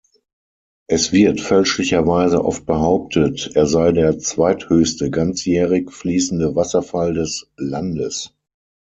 Es wird fälschlicherweise oft behauptet, er sei der zweithöchste ganzjährig fließende Wasserfall des Landes.